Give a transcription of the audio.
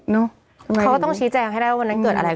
เขาก็ต้องชี้แจงให้ได้วันนั้นเกิดอะไรขึ้น